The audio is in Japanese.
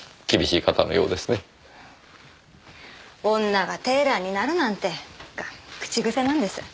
「女がテーラーになるなんて」が口癖なんです。